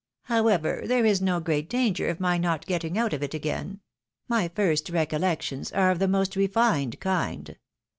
How ever, there is no great danger of my not getting out of it again — my iirst reooUeotions are of the most refined kind.